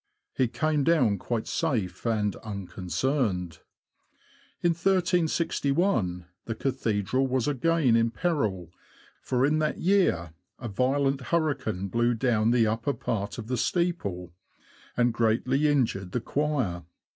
He came down quite safe and unconcerned. In 1361, the Cathedral was again in peril, for in that year a violent hurricane blew down the upper part of the steeple, and greatly injured the choir.